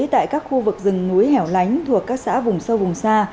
tại các khu vực rừng núi hẻo lánh thuộc các xã vùng sâu vùng xa